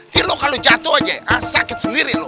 tih lo kalo jatuh aja ah sakit sendiri lo